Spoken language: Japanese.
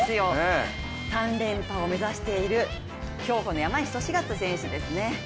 ３連覇を目指している競歩の山西利和選手ですね。